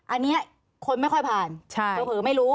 อันนี้คนไม่ค่อยผ่านเก่าเขินไม่รู้